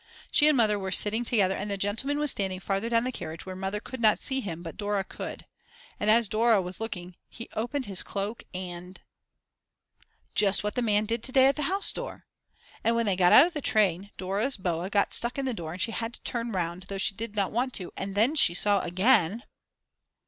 She and Mother were sitting together and the gentleman was standing farther down the carriage where Mother could not see him but Dora could. And as Dora was looking he opened his cloak and ! just what the man did to day at the house door. And when they got out of the train Dora's boa got stuck in the door and she had to turn round though she did not want to, and then she saw again